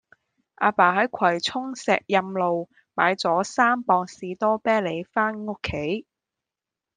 亞爸喺葵涌石蔭路買左三磅士多啤梨返屋企